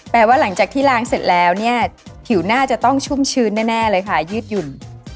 แปลว่าหลังจากที่ล้างเสร็จแล้วเนี่ยผิวน่าจะต้องชุ่มชื้นแน่เลยค่ะยืดหยุ่น